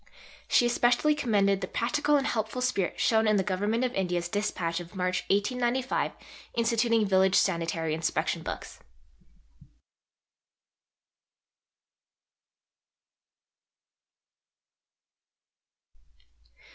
She especially commended the practical and helpful spirit shown in the Government of India's Dispatch of March 1895 instituting "Village Sanitary Inspection Books."